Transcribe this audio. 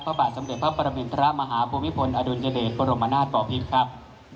พระบาทสมเด็จพระปรมินทรมาฮภูมิพลอดุลยเดชบรมนาศปอพิษครับ